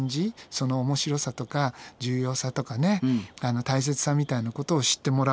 その面白さとか重要さとかね大切さみたいなことを知ってもらおうっていうね